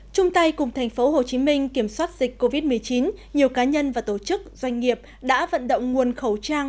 trung tay cùng tp hcm kiểm soát dịch covid một mươi chín nhiều cá nhân và tổ chức doanh nghiệp đã vận động nguồn khẩu trang